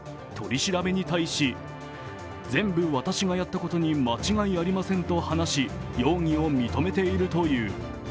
取り調べに対し、全部私がやったことに間違いありませんと話し、容疑を認めているという。